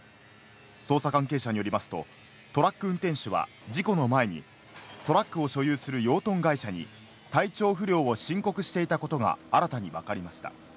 捜査関係者によりますと、トラック運転手は事故の前にトラックを所有する養豚会社に体調不良を申告していたことが新たにわかりました。